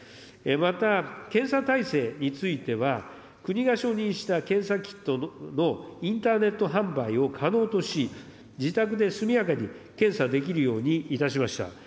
また、検査体制については、国が承認した検査キットのインターネット販売を可能とし、自宅で速やかに検査できるようにいたしました。